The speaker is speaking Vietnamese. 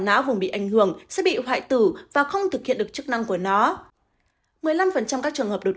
nã vùng bị ảnh hưởng sẽ bị hoại tử và không thực hiện được chức năng của nó một mươi năm các trường hợp đột